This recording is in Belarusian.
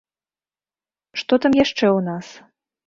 Што там яшчэ ў нас?